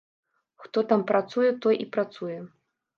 Хто там працуе, той і працуе.